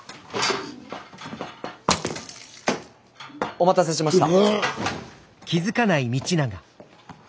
お待たせしました。